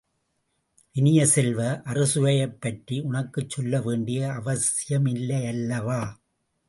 இனிய செல்வ, அறுசுவையைப் பற்றி உனக்குச் சொல்ல வேண்டிய அவசியமில்லையல்லவா?